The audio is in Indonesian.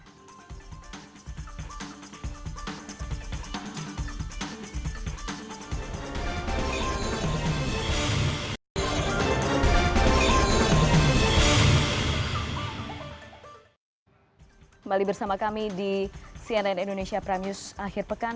kembali bersama kami di cnn indonesia prime news akhir pekan